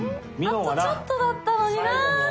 あとちょっとだったのにな。